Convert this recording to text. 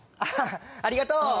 ありがとう！